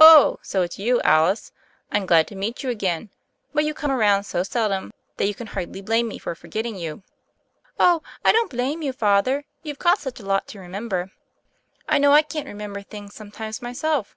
"Oh, so it's you, Alice I I'm glad to meet you again ; but you come around so seldom that you can hardly blame me for forgetting you." "Oh, I don't blame you. Father. You've got such a lot to remember. I know I can't remcm THE FAIRY OF THE SNOWS 13 ber things sometimes myself.